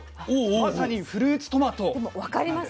まさにフルーツトマトなんです。